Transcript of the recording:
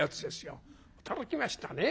驚きましたね。